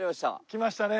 来ましたね！